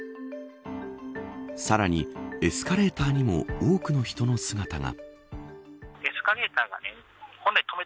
さらに、エスカレーターにも多くの人の姿が。